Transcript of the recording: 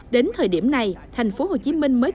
đến thời điểm này tp hcm mới kể tạo được bốn mươi tiêu thoát